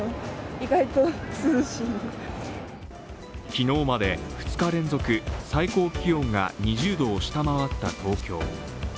昨日まで２日連続最高気温が２０度を下回った東京。